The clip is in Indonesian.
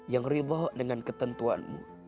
yang rizal dengan ketentuanmu